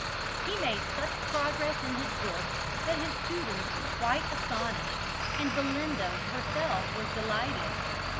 He made such progress in his books that his tutors were quite astonished, and Belinda was herself delighted.